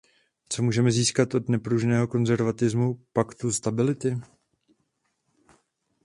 Co můžeme získat od nepružného konzervativismu Paktu stability?